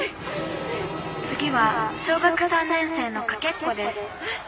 「次は小学３年生のかけっこです。